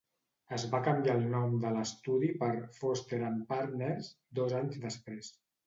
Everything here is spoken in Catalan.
Es va canviar el nom de l'estudi per 'Foster And Partners' dos anys després.